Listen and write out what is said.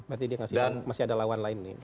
berarti dia ngasihkan masih ada lawan lain nih